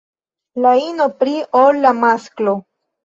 La ino pli ol la masklo.